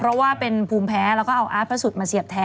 เพราะว่าเป็นภูมิแพ้แล้วก็เอาอาร์ตพระสุทธิมาเสียบแท้